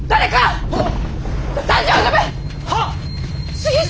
杉下！